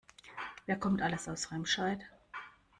Wer kommt alles aus Remscheid?